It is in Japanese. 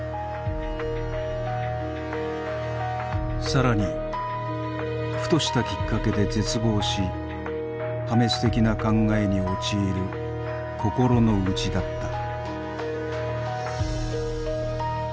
更にふとしたきっかけで絶望し破滅的な考えに陥る心の内だった。